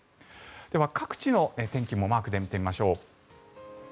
では、各地の天気もマークで見てみましょう。